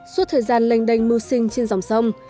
suốt thời gian lênh đênh mưu sinh trên dòng sông